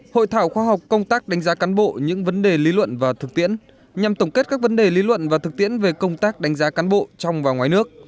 hội thảo khoa học công tác đánh giá cán bộ những vấn đề lý luận và thực tiễn nhằm tổng kết các vấn đề lý luận và thực tiễn về công tác đánh giá cán bộ trong và ngoài nước